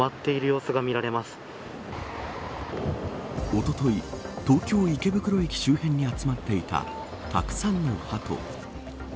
おととい、東京池袋駅周辺に集まっていたたくさんのハト。